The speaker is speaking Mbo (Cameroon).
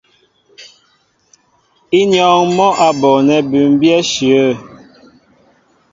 Ínyɔ́ɔ́ŋ mɔ́ a bonɛ bʉmbyɛ́ íshyə̂.